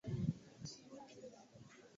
Begi limeraruka.